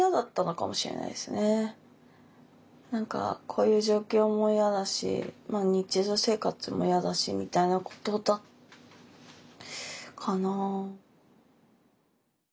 何かこういう状況も嫌だし日常生活も嫌だしみたいなことだったかな。